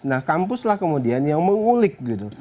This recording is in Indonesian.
nah kampuslah kemudian yang mengulik gitu